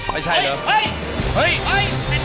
ไม่ใช่เหรอ